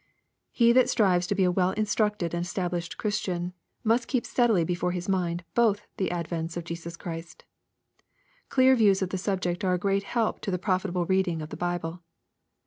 He that strives to be a well instructed and established Christian, must keep steadily before hrs mind both the advents of Jesus Christ. Clear views of the subject are a great help to the profitable reading of the Bible.